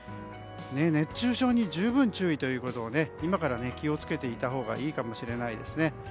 熱中症に十分注意ということを今から気をつけていたほうがいいかもしれないですね。